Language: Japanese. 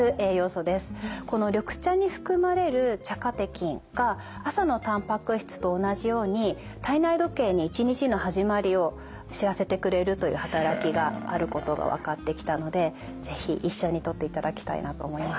この緑茶に含まれる茶カテキンが朝のたんぱく質と同じように体内時計に一日の始まりを知らせてくれるという働きがあることが分かってきたので是非一緒にとっていただきたいなと思います。